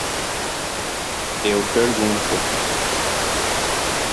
Eu pergunto.